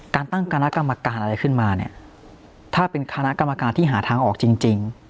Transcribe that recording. ตั้งคณะกรรมการอะไรขึ้นมาเนี่ยถ้าเป็นคณะกรรมการที่หาทางออกจริง